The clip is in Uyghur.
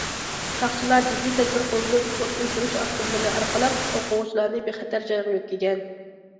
ساقچىلار جىددىي تەدبىر قوللىنىپ ئوت ئۆچۈرۈش ئاپتوموبىلى ئارقىلىق ئوقۇغۇچىلارنى بىخەتەر جايغا يۆتكىگەن.